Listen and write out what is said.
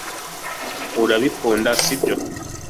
urabikunda, sibyo